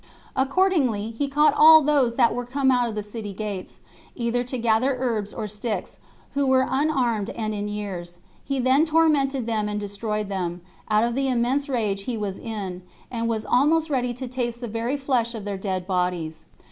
Accordingly, he caught all those that were come out of the city gates, either to gather herbs or sticks, who were unarmed and in years; he then tormented them and destroyed them, out of the immense rage he was in, and was almost ready to taste the very flesh of their dead bodies.